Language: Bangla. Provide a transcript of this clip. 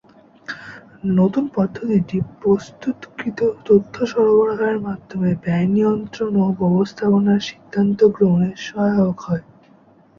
নতুন পদ্ধতিটি প্রস্ত্ততকৃত তথ্য সরবরাহের মাধ্যমে ব্যয়-নিয়ন্ত্রণ ও ব্যবস্থাপনার সিদ্ধান্ত গ্রহণে সহায়ক হয়।